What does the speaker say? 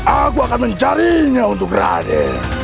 aku akan mencarinya untuk berani